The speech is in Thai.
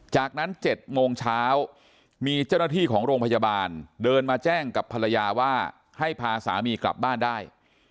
จากนั้น๗โมงเช้ามีเจ้าหน้าที่ของโรงพยาบาลเดินมาแจ้งกับภรรยาว่าให้พาสามีกลับบ้านได้